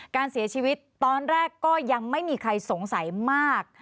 การเสียชีวิตตอนแรกก็ยังไม่มีใครสงสัยมาก